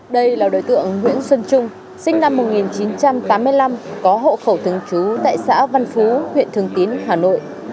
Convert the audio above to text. đây là đối tượng nguyễn xuân trung sinh năm một nghìn chín trăm tám mươi năm có hộ khẩu thường trú tại xã văn phú huyện thường tín hà nội